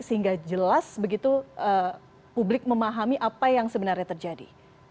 sehingga jelas begitu publik memahami apa yang sebenarnya terjadi